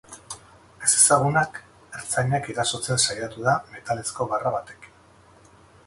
Ezezagunak ertzainak erasotzen saiatu da metalezko barra batekin.